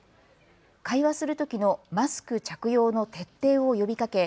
会話するときのマスク着用の徹底を呼びかけ